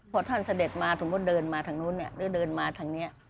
พอท่านเสด็จมาสมมุติเดินมาทางนู้นหรือเดินมาทางนี้